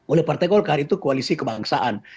oleh partai golkar itu koalisi kebangsaan